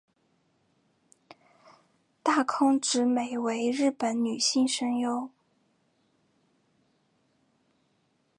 大空直美为日本女性声优。